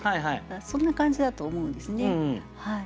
そんな感じだと思うんですね。